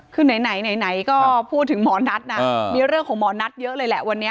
คือไหนก็พูดถึงหมอนัทนะมีเรื่องของหมอนัทเยอะเลยแหละวันนี้